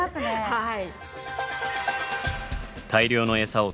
はい。